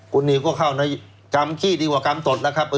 คุณนิวก็เข้าในกรรมขี้ดีกว่ากรรมสดแล้วครับ